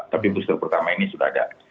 tapi booster pertama ini sudah ada